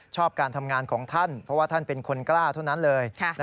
ชอบการทำงานของท่านเพราะว่าท่านเป็นคนกล้าเท่านั้นเลย